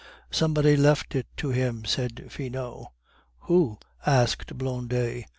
"Somebody left it to him," said Finot. "Who?" asked Blondet.